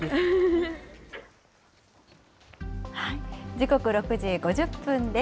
時刻６時５０分です。